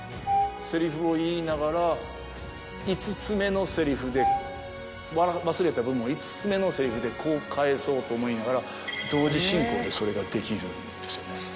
セリフを言いながら５つ目のセリフで忘れた部分を５つ目のセリフでこう返そうと思いながら同時進行でそれができるんですよね。